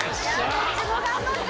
どっちも頑張った。